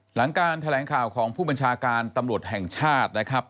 หลังการแถลงข่าวของผู้บัญชาการตำรวจแห่งชาตินะครับ